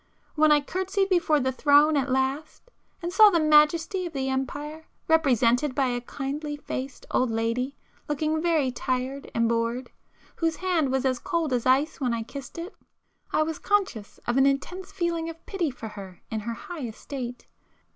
When I curtsied before the Throne at last, and saw the majesty of the Empire represented by a kindly faced old lady, looking very tired and bored, whose hand was as cold as ice when I kissed it, I was conscious of an intense feeling of pity for her in her high estate.